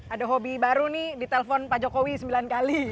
ada hobi baru nih ditelpon pak jokowi sembilan kali